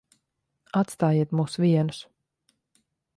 Atstājiet mūs vienus.